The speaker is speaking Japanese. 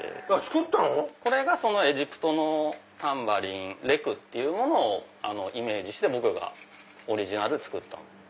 これがエジプトのタンバリンレクってものをイメージして僕がオリジナルで作ったもの。